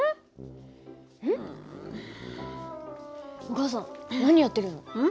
お母さん何やってるの？